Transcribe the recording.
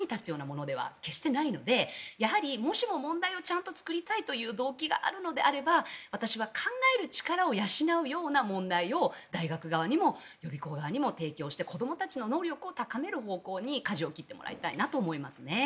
テストを解くノウハウやテクニックをどんなに身に着けたとしてもそれは将来、就業した時とか将来、役に立つようなものでは決してないのでやはり、もしも問題をちゃんと作りたいという動機があるのであれば私は考える力を養うような問題を大学側にも予備校側にも提供して子どもたちの能力を高める方向にかじを切ってもらいたいと思いますね。